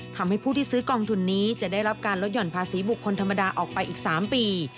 ทำให้ผู้ที่ซื้อกองทุนนี้จะได้รับการลดหย่อนภาษีบุคคลธรรมดาออกไปอีก๓ปี